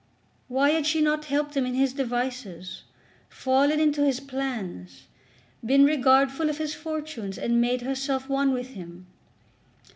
Why had she not helped him in his devices, fallen into his plans, been regardful of his fortunes, and made herself one with him?